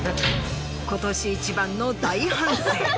今年一番の大反省。